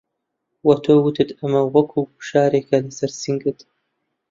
وە تۆ وتت ئەمە وەکوو گوشارێکه لەسەر سنگت